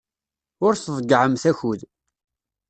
Ur tḍeyyɛemt akud.